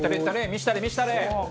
見せたれ見せたれ！